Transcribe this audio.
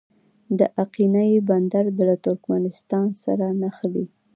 د اقینې بندر له ترکمنستان سره نښلي